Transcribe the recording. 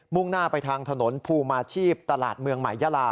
่งหน้าไปทางถนนภูมิอาชีพตลาดเมืองใหม่ยาลา